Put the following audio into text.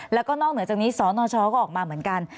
แล้วก็นอกเหนือจากนี้สนชก็ออกมาเหมือนกัน